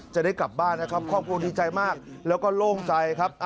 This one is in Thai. จะได้กลับบ้านนะครับครอบครัวดีใจมากแล้วก็โล่งใจครับ